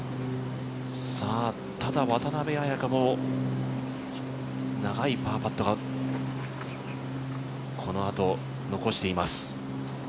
ただ渡邉彩香も長いパーパットがこのあと残しています。